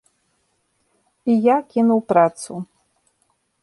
І я кінуў працу.